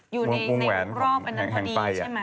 ยูอยู่ในรอบอันนั้นพอดีใช่ไหม